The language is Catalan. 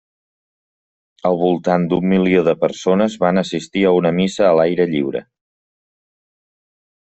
Al voltant d'un milió de persones van assistir a una missa a l'aire lliure.